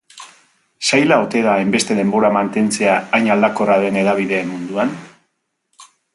Zaila ote da hainbeste denbora mantentzea hain aldakorra den hedabideen munduan?